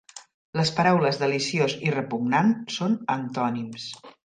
Les paraules deliciós i repugnant són antònims.